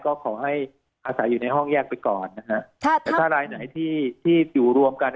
ก็ขอให้อาศัยอยู่ในห้องแยกไปก่อนนะฮะแต่ถ้ารายไหนที่ที่อยู่รวมกัน